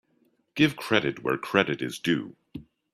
Give credit where credit is due.